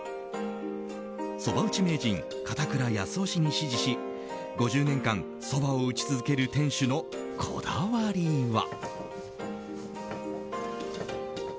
そば打ち名人・片倉康雄氏に師事し５０年間そばを打ち続ける店主のこだわりは。